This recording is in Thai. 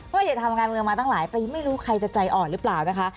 อย่าทำการเมืองมาตั้งหลายปีไม่รู้ใครจะใจอ่อนหรือเปล่านะคะ